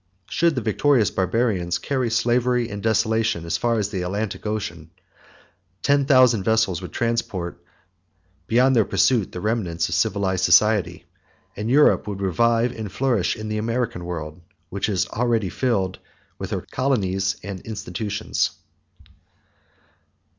Should the victorious Barbarians carry slavery and desolation as far as the Atlantic Ocean, ten thousand vessels would transport beyond their pursuit the remains of civilized society; and Europe would revive and flourish in the American world, which is already filled with her colonies and institutions.